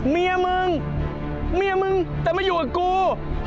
เมียมึงแต่ไม่อยู่กับกู